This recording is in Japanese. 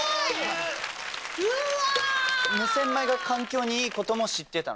うわ！